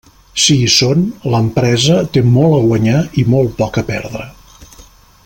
Si hi són, l'empresa té molt a guanyar i molt poc a perdre.